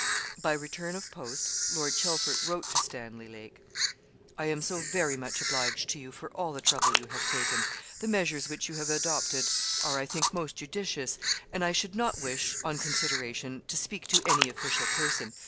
By return of post Lord Chelford wrote to Stanley Lake: 'I am so very much obliged to you for all the trouble you have taken. The measures which you have adopted are, I think, most judicious; and I should not wish, on consideration, to speak to any official person.